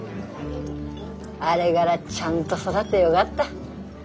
あれがらちゃんと育ってよがった。